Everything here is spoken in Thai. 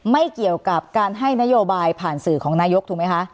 ไม่เกี่ยวกับการให้นโยบายผ่านสื่อของนายกถูกไหมคะ